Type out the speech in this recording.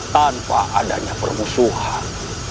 tanpa adanya permusuhan